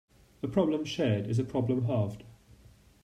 A problem shared is a problem halved.